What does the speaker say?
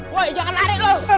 woy jangan lari lu